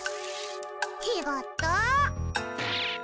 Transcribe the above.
ちがった。